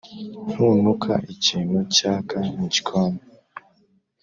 ntunuka ikintu cyaka mugikoni?